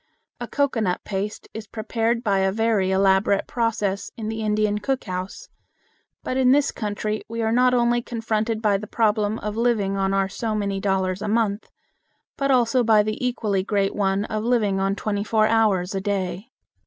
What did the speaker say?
A cocoanut paste is prepared by a very elaborate process in the Indian cook house, but in this country we are not only confronted by the problem of living on our so many dollars a month, but also by the equally great one of living on twenty four hours a day.